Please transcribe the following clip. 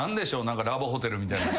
何かラブホテルみたいな。